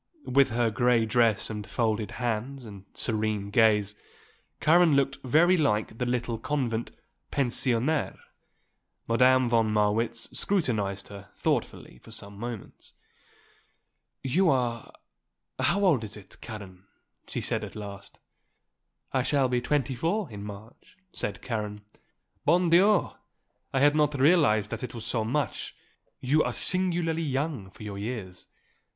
With her grey dress and folded hands and serene gaze Karen looked very like the little convent pensionnaire. Madame von Marwitz scrutinized her thoughtfully for some moments. "You are how old is it, Karen?" she said at last. "I shall be twenty four in March," said Karen. "Bon Dieu! I had not realised that it was so much; you are singularly young for your years."